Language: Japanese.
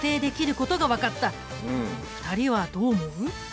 ２人はどう思う？